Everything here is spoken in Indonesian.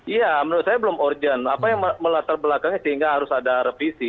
iya menurut saya belum urgent apa yang melatar belakangnya sehingga harus ada revisi